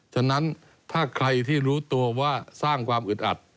ฉะนั้นถ้าใครที่รู้ตัวว่าสร้างความอึดอัด